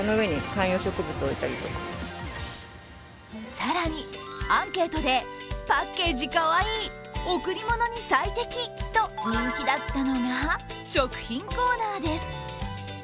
更に、アンケートでパッケージかわいい贈り物に最適と人気だったのが食品コーナーです。